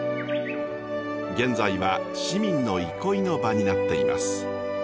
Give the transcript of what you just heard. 現在は市民の憩いの場になっています。